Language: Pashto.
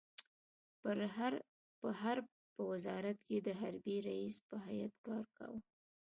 په حرب په وزارت کې د حربي رئيس په حیث کار کاوه.